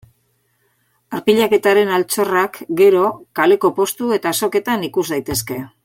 Arpilaketaren altxorrak, gero, kaleko postu eta azoketan ikus daitezke.